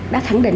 đã khẳng định